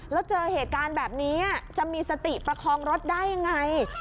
แล้วเจอเหตุการณ์แบบนี้จะมีสติประคองรถได้ยังไง